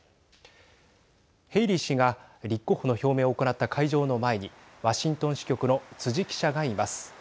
ヘイリー氏が立候補の表明を行った会場の前にワシントン支局の辻記者がいます。